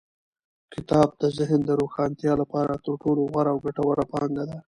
کتاب د ذهن د روښانتیا لپاره تر ټولو غوره او ګټوره پانګه ده.